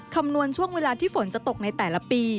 คำนวณช่วงเวลาที่ฝนจะตกในแต่ละปี